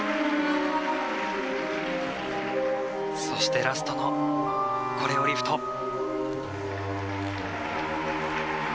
そして、ラストのコレオリフト。